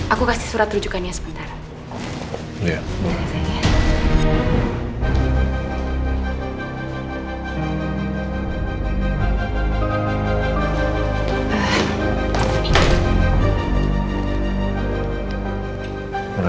aku kasih surat rujukannya sebentar